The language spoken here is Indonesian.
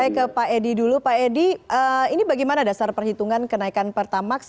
saya ke pak edi dulu pak edi ini bagaimana dasar perhitungan kenaikan pertamax